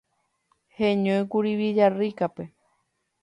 Heñóikuri Villarrica-pe